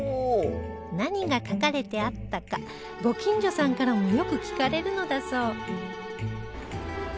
何が書かれてあったかご近所さんからもよく聞かれるのだそう